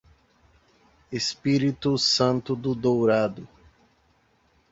Espírito Santo do Dourado